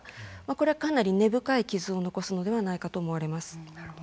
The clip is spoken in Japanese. これはかなり根深い傷を残すのではないかと思われます。